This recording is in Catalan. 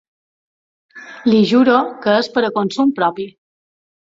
Li juro que és per a consum propi.